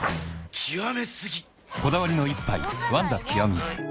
極め過ぎ！